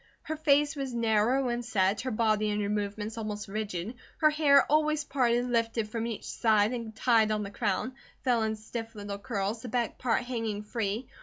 Her face was narrow and set, her body and her movements almost rigid, her hair, always parted, lifted from each side and tied on the crown, fell in stiff little curls, the back part hanging free.